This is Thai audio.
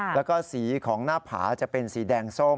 เพราะว่าสีของหน้าผาจะเป็นสีแดงส้ม